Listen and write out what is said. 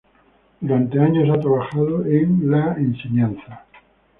Durante años ha trabajado en la enseñanza.